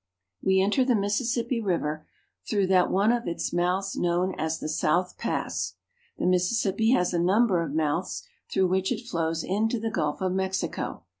We enter the Mississippi River through that one of its mouths known as the South Pass. The Mississippi has a number of mouths through which it flows into the Gulf of Mexico.